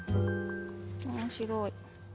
面白い。